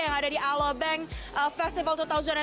yang ada di aloe bank festival dua ribu dua puluh dua